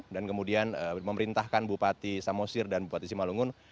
dan kemudian memerintahkan bupati samosir dan bupati simalungun